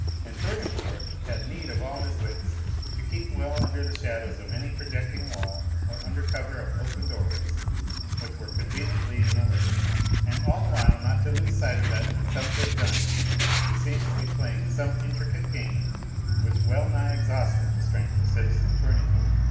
And Tournefort had need of all his wits to keep well under the shadow of any projecting wall or under cover of open doorways which were conveniently in the way, and all the while not to lose sight of that consumptive giant, who seemed to be playing some intricate game which well nigh exhausted the strength of citizen Tournefort.